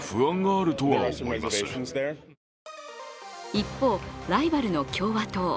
一方、ライバルの共和党。